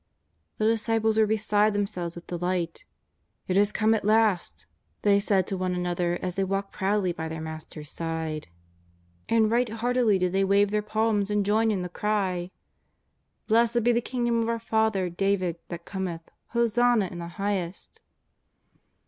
The disciples were beside themselves with delight. " It has come at last !" they said to one another as they walked proudly by their Master's side. And right 310 JESUS OF NAZARETH. heartily did they wave their pahns and join in the cry: ^' Blessed be the Kingdom of our father David that cometh, Hosanna in the highest